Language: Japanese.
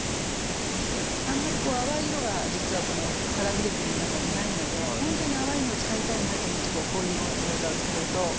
あんまり淡い色が実はこのカラー筆ペンの中にないので本当に淡いのを使いたいなと思う時はこういう技を使うと。